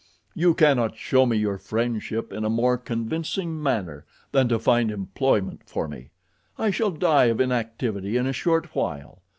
You cannot show me your friendship in a more convincing manner than to find employment for me—I shall die of inactivity in a short while.